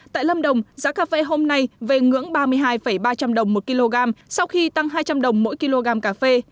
tại lâm đồng giá cà phê hôm nay về ngưỡng ba mươi hai ba trăm linh đồng một kg sau khi tăng hai trăm linh đồng mỗi kg cà phê